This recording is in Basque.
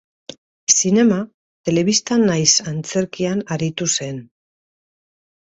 Zinema, telebista nahiz antzerkian aritu zen.